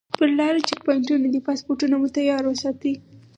پر لاره چیک پواینټونه دي پاسپورټونه مو تیار وساتئ.